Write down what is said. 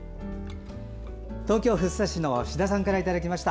東京・福生市の志田さんからいただきました。